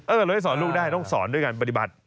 เราให้สอนลูกได้ต้องสอนด้วยการปฏิบัติ